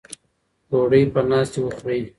ډوډۍ په ناستې وخورئ.